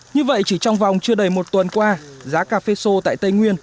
như vậy chỉ trong vòng chưa đầy một tuần qua giá cà phê xô tại tây nguyên